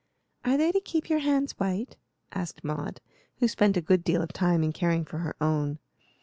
"Are they to keep your hands white?" asked Maud, who spent a good deal of time in caring for her own.